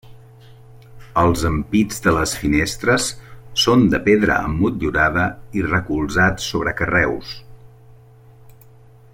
Els ampits de les finestres són de pedra emmotllurada i recolzats sobre carreus.